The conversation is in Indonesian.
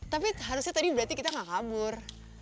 tapi harusnya tadi berarti kita gak kabur